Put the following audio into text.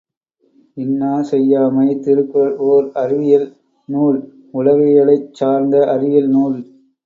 இன்னா செய்யாமை திருக்குறள் ஓர் அறிவியல் நூல் உளவியலைச் சார்ந்த அறிவியல் நூல்.